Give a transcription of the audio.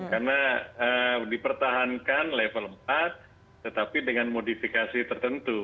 karena dipertahankan level empat tetapi dengan modifikasi tertentu